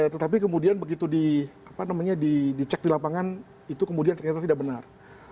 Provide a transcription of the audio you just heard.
tetapi kemudian begitu dicek di lapangan itu kemudian ternyata tidak benar